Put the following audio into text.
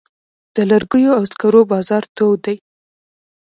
د لرګیو او سکرو بازار تود دی؟